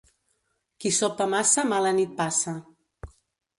Qui sopa massa mala nit passa.